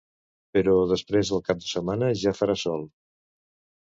però després del cap de setmana ja farà sol